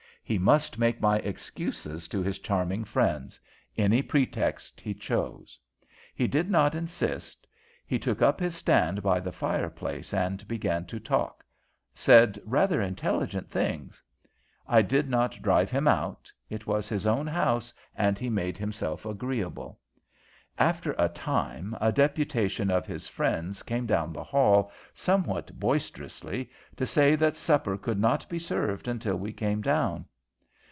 He must make my excuses to his charming friends; any pretext he chose. He did not insist. He took up his stand by the fireplace and began to talk; said rather intelligent things. I did not drive him out; it was his own house, and he made himself agreeable. After a time a deputation of his friends came down the hall, somewhat boisterously, to say that supper could not be served until we came down.